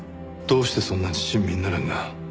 どうしてそんなに親身になるんだ？